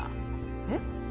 えっ？